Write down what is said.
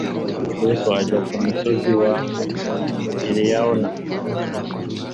yesu ajya ku musozi wa elayono